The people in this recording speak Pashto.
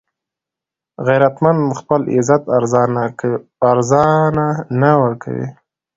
غیرتمند خپل عزت ارزانه نه ورکوي